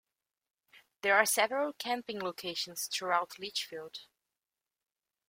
There are several camping locations throughout Litchfield.